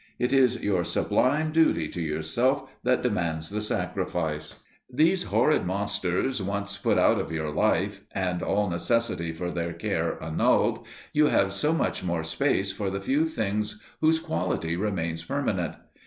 It is your sublime duty to yourself that demands the sacrifice. These horrid monsters once put out of your life, and all necessity for their care annulled, you have so much more space for the few things whose quality remains permanent.